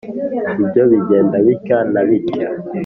ibyo bigenda bitya na bitya